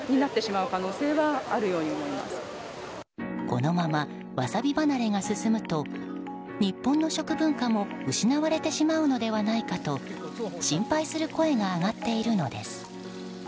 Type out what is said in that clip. このままワサビ離れが続くと日本の食文化も失われてしまうのではないかと心配する声が上がっているのです。